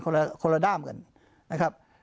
คนละด้ามกันนะครับ